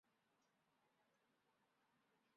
多语者有时会在对话中使用多种语言的元素。